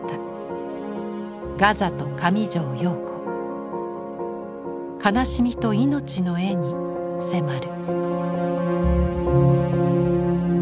ガザと上條陽子悲しみと命の絵に迫る。